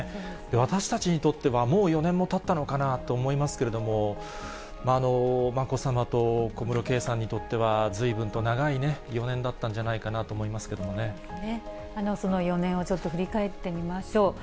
私たちにとっては、もう４年もたったのかなと思いますけれども、まこさまと小室圭さんにとっては、ずいぶんと長い４年だったんじゃないかなと思いますけどね。